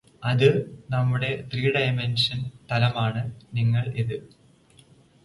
ഇത് നമ്മുടെ ത്രീഡയമൻഷൻ തലമാണ് നിങ്ങള് ഇത്